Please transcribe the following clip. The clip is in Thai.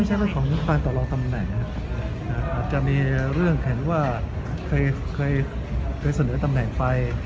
ไม่ใช่ว่าของการต่อลองตำแหน่งนะครับอาจจะมีเรื่องแขนว่าเคยเสนอตำแหน่งไป